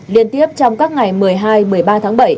liên tiếp trong các ngày một mươi hai một mươi ba tháng bảy